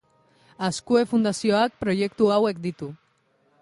Azkue Fundazioak proiektu hauek ditu.